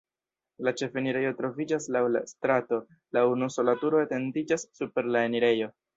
La ĉefenirejo troviĝas laŭ la strato, la unusola turo etendiĝas super la enirejo.